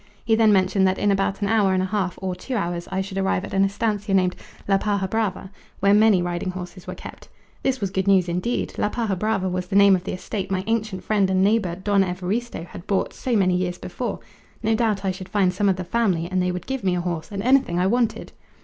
He then mentioned that in about an hour and a half or two hours I should arrive at an estancia named La Paja Brava, where many riding horses were kept. This was good news indeed! La Paja Brava was the name of the estate my ancient friend and neighbour, Don Evaristo, had bought so many years before: no doubt I should find some of the family, and they would give me a horse and anything I wanted.